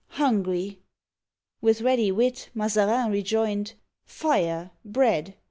hungry !With ready wit Mazarin rejoined, Fire ! bread